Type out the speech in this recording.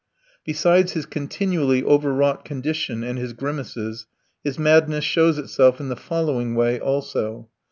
Besides his continually overwrought condition and his grimaces, his madness shows itself in the following way also.